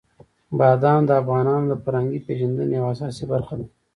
بادام د افغانانو د فرهنګي پیژندنې یوه اساسي برخه ده.